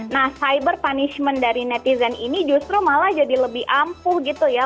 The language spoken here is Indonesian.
nah cyber punishment dari netizen ini justru malah jadi lebih ampuh gitu ya